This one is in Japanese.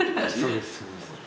そうですそうです。